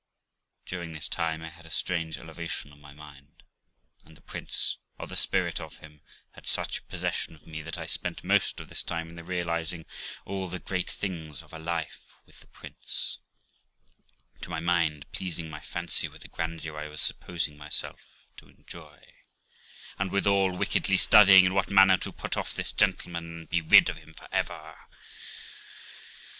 During this time I had a strange elevation upon my mind; and the prince, or the spirit of him, had such a possession of me that I spent most of this time in the realising all the great things of a life with the prince, to my mind pleasing my fancy with the grandeur I was supposing myself to enjoy, and withal wickedly studying in what manner to put off this gentleman and be rid of him for ever.